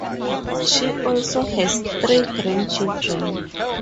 She also has three grandchildren.